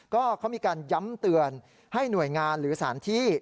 ก็เขามีการย้ำเตือนให้หน่วยงานหรือสถานที่